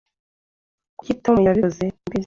"Kuki Tom yabikoze?" "Simbizi."